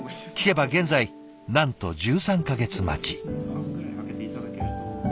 聞けば現在なんと１３か月待ち。